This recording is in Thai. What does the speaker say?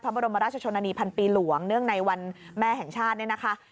บรมราชชนนานีพันปีหลวงเนื่องในวันแม่แห่งชาติเนี่ยนะคะ